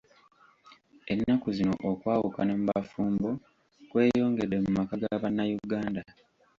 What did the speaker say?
Ennaku zino okwawukana mu bafumbo kweyongedde mu maka ga bannayuganda.